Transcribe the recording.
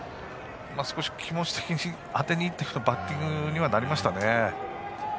少し気持ち的に当てにいったバッティングにはなりましたね。